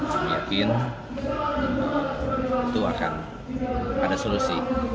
saya yakin itu akan ada solusi